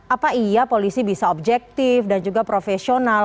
apa iya polisi bisa objektif dan juga profesional